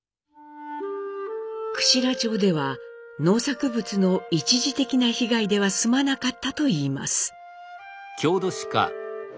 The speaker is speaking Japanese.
串良町では農作物の一時的な被害では済まなかったといいます。